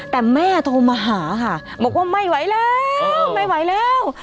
แต่แม่โทรมาหาค่ะบอกว่าไม่ไหวแล้วไม่ไหวแล้ว